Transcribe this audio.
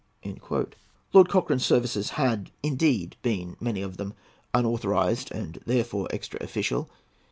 Lord Cochrane's services had, indeed, been, many of them, "unauthorised and therefore extra official."